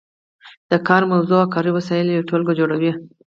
د کار موضوع او کاري وسایل یوه ټولګه جوړوي.